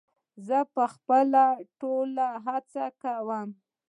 زه به خپله ټوله هڅه وکړم